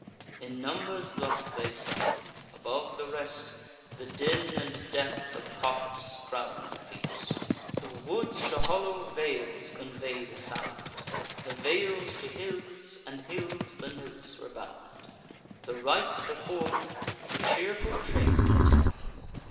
In numbers thus they sung; above the rest, The den and death of Cacus crown the feast. The woods to hollow vales convey the sound, The vales to hills, and hills the notes rebound. The rites perform'd, the cheerful train retire.